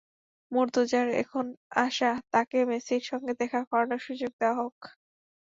মুর্তজার এখন আশা, তাঁকে মেসির সঙ্গে দেখা করানোর সুযোগ করে দেওয়া হোক।